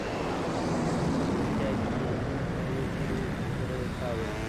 چې ملګرتيا کې نه وزيرو سره يې کاوه.